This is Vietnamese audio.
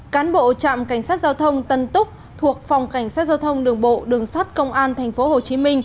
cán bộ trạm cảnh sát giao thông tân túc thuộc phòng cảnh sát giao thông đường bộ đường sát công an tp hcm